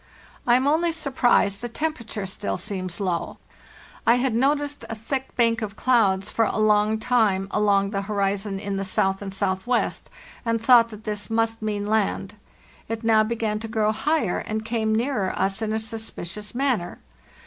I am only surprised the temperature still seems low. I had noticed a thick bank of clouds for a long time along the horizon in the south and southwest, and thought that this must mean land. It now began to grow higher and come nearer us in a suspicious manner.